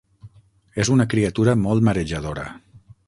És una criatura molt marejadora.